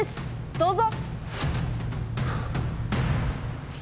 どうぞ！